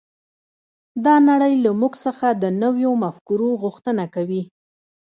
دا نړۍ له موږ څخه د نويو مفکورو غوښتنه کوي.